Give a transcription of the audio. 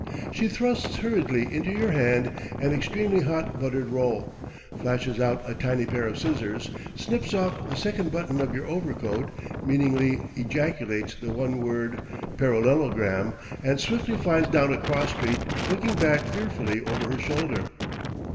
She thrusts hurriedly into your hand an extremely hot buttered roll, flashes out a tiny pair of scissors, snips off the second button of your overcoat, meaningly ejaculates the one word, "parallelogram!" and swiftly flies down a cross street, looking back fearfully over her shoulder.